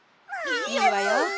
いいわよ。